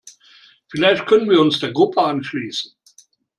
Vielleicht können wir uns der Gruppe anschließen.